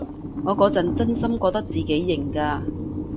我嗰陣真心覺得自己型㗎